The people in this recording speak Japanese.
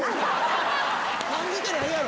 感じてないやろ！